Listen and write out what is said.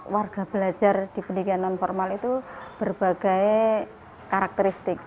warga belajar di pendidikan non formal itu berbagai karakteristik